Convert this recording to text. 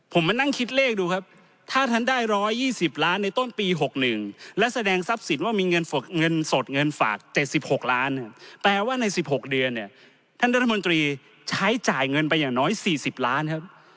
ผมมานั่งคิดเลขดูครับถ้าท่านได้๑๒๐ล้านในต้นปี๖๑และแสดงทรัพย์สินว่ามีเงินสดเงินฝาก๗๖ล้านแปลว่าใน๑๖เดือนเนี่ยท่านรัฐมนตรีใช้จ่ายเงินไปอย่างน้อย๔๐ล้านครับ